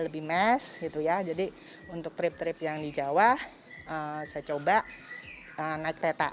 lebih mass jadi untuk trip trip yang di jawa saya coba naik kereta